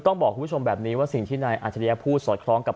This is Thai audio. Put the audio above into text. ต้องบอกคุณผู้ชมแบบนี้ว่าสิ่งที่นายอาจริยะพูดสอดคล้องกับ